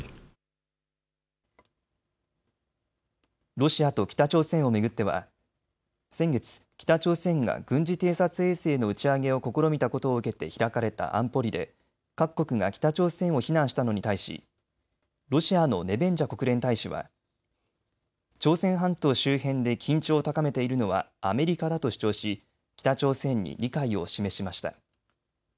ロシアと北朝鮮を巡っては先月、北朝鮮が軍事偵察衛星の打ち上げを試みたことを受けて開かれた安保理で各国が北朝鮮を非難したのに対しロシアのネベンジャ国連大使は朝鮮半島周辺で緊張を高めているのはアメリカだと主張し北朝鮮に理解を示しました。